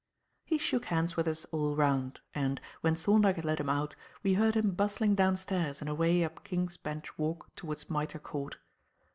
He shook hands with us all round, and, when Thorndyke had let him out, we heard him bustling downstairs and away up King's Bench Walk towards Mitre Court.